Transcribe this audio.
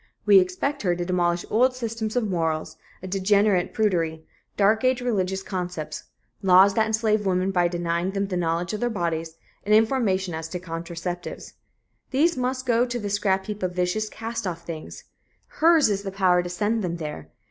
We expect her to demolish old systems of morals, a degenerate prudery, Dark Age religious concepts, laws that enslave women by denying them the knowledge of their bodies, and information as to contraceptives. These must go to the scrapheap of vicious, cast off things. Hers is the power to send them there.